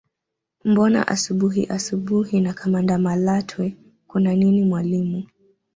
Mbona asubuhi asubuhi na kamanda Malatwe kuna nini mwalimu